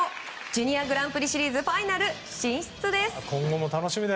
ジュニアグランプリシリーズファイナル進出です。